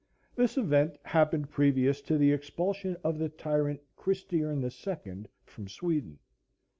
This event happened previous to the expulsion of the tyrant Christiern the Second from Sweden."